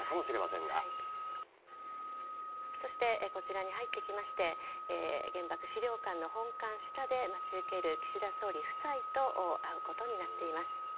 こちらに入ってきて原爆資料館の本館下で待ち受ける岸田総理夫妻と会うことになっています。